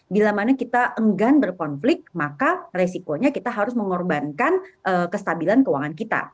bila mana kita enggan berkonflik maka resikonya kita harus mengorbankan kestabilan keuangan kita